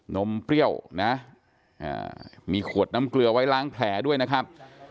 มเปรี้ยวนะมีขวดน้ำเกลือไว้ล้างแผลด้วยนะครับ